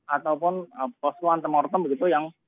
ataupun posko antemortem begitu yang